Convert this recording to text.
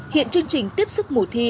hiện chương trình tiếp xúc mùa thi